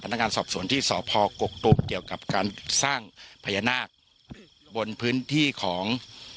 นักงานสอบสวนที่สพกกตูมเกี่ยวกับการสร้างพญานาคบนพื้นที่ของ